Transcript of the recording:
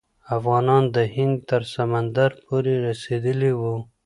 افغانان د هند تر سمندر پورې رسیدلي وو.